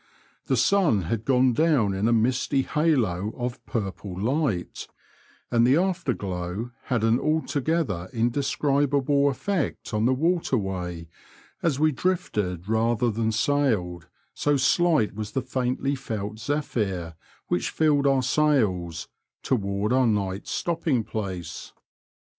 The sun had gone down in a misty halo of purple light, and the afterglow had an altogether indescribable effect on the water way, as we drifted rather than sailed— so slight was the faintly felt zephyr which filled our sails — toward our night's stopping place.